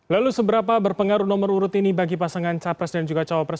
lalu seberapa berpengaruh nomor urut ini bagi pasangan capres dan juga cawapres